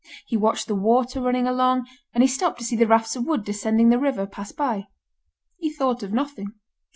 He watched the water running along, and he stopped to see the rafts of wood descending the river, pass by. He thought of nothing.